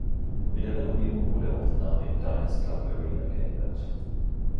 Mit der Renovierung wurde auch der Name in „Diners Club Arena“ geändert.